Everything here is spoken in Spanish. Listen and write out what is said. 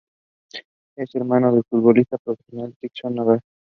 Es hermano del futbolista profesional Txomin Nagore.